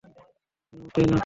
কোন মতেই না!